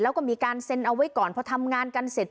แล้วก็มีการเซ็นเอาไว้ก่อนพอทำงานกันเสร็จ